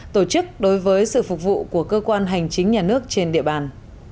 tổ chức đối với sự phục vụ của cơ quan hành chính nhà nước trên địa bàn